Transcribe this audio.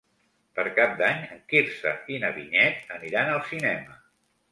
Per Cap d'Any en Quirze i na Vinyet aniran al cinema.